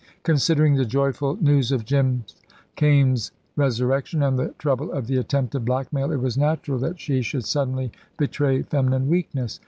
Considering the joyful news of Jim Kaimes' resurrection and the trouble of the attempted blackmail, it was natural that she should suddenly betray feminine weakness.